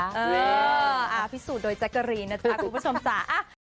อ่าพิสูจน์โดยแจ๊กกะรีนนะจ๊ะคุณผู้ชมจ๋า